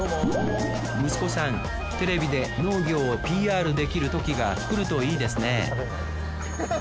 息子さんテレビで農業をＰＲできるときがくるといいですね